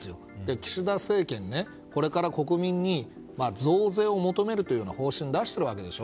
岸田政権、これから国民に増税を求めるという方針を出しているわけでしょ。